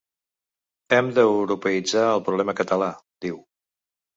Hem d’europeïtzar el problema català, diu.